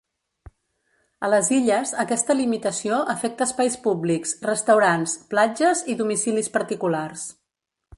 A les Illes, aquesta limitació afecta espais públics, restaurants, platges i domicilis particulars.